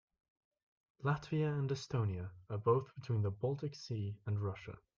Latvia and Estonia are both between the Baltic Sea and Russia.